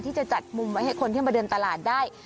ที่จะจัดมุมไว้ให้คนที่มาเดินตลาดได้